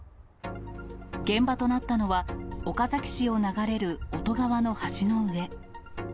現場となったのは、岡崎市を流れる乙川の橋の上。